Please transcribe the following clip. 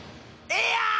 ええやん！